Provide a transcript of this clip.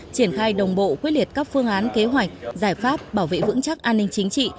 triển khai đồng bộ quyết liệt các phương án kế hoạch giải pháp bảo vệ vững chắc an ninh chính trị